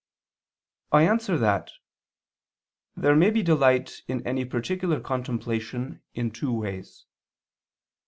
I answer that, There may be delight in any particular contemplation in two ways.